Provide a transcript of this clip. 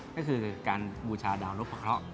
ก็คือการบูชาดาวนพะเคราะห์